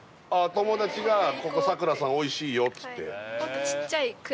友だちがここ佐蔵さんおいしいよっつってあ